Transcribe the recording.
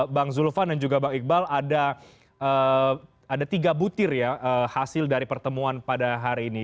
bang zulfan dan juga bang iqbal ada tiga butir ya hasil dari pertemuan pada hari ini